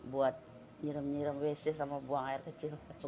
buat nyirem nyirem bc sama buang air kecil